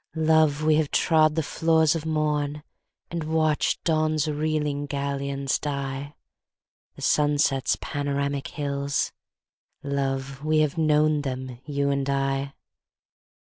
Love, we have trod the floors of Morn, And watched Dawn's reeling galleons die; The sunset's panoramic hills—Love, we have known them, you and I.